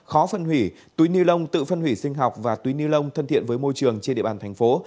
các tổ chức hộ kinh doanh có hoạt động sản xuất túi ni lông tự phân hủy sinh học và túi ni lông thân thiện với môi trường trên địa bàn thành phố